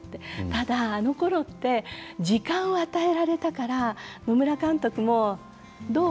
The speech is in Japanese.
ただあのころって時間を与えられたから野村監督も、どう？